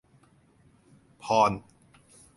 พร